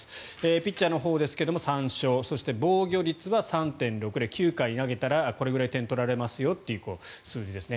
ピッチャーのほうですが３勝、そして防御率は３．６０で９回投げたらこれくらい点を取られますよという数字ですね。